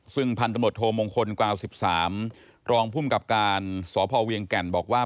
ซึ่งพันธมตโทมงคลกวาว๑๓รองภูมิกับการสพเวียงแก่นบอกว่า